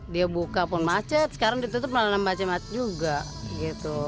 dia buka pun macet sekarang ditutup malah nambah camat juga gitu